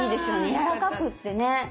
やわらかくってね。